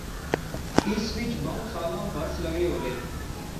اس وچ بہوں سالاں برس لغے ہولے